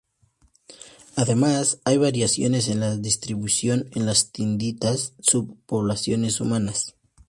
Además, hay variaciones en la distribución en las distintas subpoblaciones humanas.